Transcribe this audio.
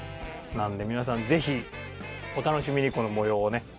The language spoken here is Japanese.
なので皆さんぜひお楽しみにこの模様をね。